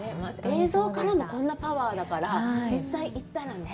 映像からもこんなパワーだから、実際行ったらね。